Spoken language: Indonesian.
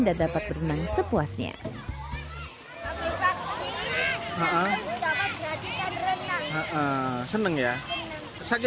dan dapat berenang sepuasnya dengan memberikan hadiah